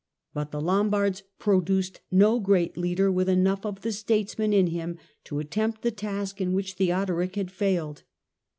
But the Lombards produced no great leader with enough of the statesman in him to attempt the task in which Theodoric had failed.